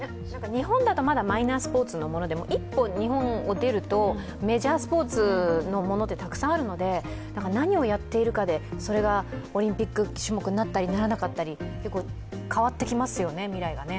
日本だとまだマイナースポーツのものでも一歩、日本を出るとメジャースポーツになるものも多いので何をやっているかで、それがオリンピック種目になったり、ならなかったり変わってきますよね、未来が。